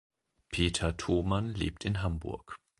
Peter Thomann lebt in Hamburg.